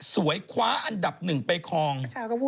คว้าอันดับหนึ่งไปคลอง